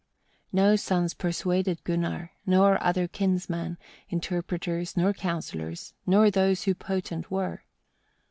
9. No sons persuaded Gunnar, nor other kinsman, interpreters nor counsellors, nor those who potent were.